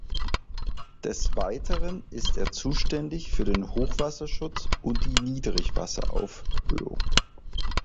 Des Weiteren ist er zuständig für den Hochwasserschutz und die Niedrigwasseraufhöhung.